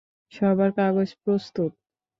সবার কাগজ প্রস্তুত?